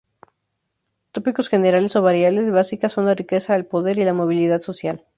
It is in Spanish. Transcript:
Tópicos generales o variables básicas son la riqueza, el poder y la movilidad social.